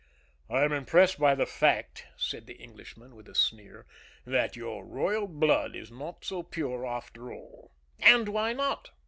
"I am impressed by the fact," said the Englishman, with a sneer, "that your royal blood is not so pure after all." "And why not?"